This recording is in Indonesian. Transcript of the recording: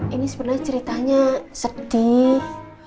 ini sebenernya ceritanya sedih